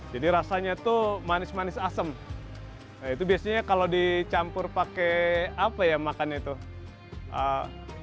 jadi rasanya tuh manis manis asem nah itu biasanya kalau dicampur pakai apa ya makannya tuh